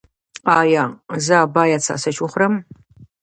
ایا زه باید ساسج وخورم؟